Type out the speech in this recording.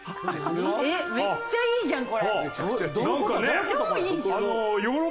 めっちゃいいじゃん。